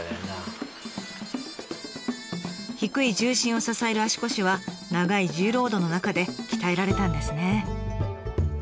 低い重心を支える足腰は長い重労働の中で鍛えられたんですね。